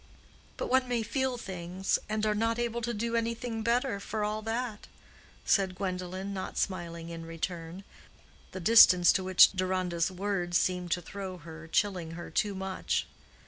"But one may feel things and are not able to do anything better for all that," said Gwendolen, not smiling in return—the distance to which Deronda's words seemed to throw her chilling her too much.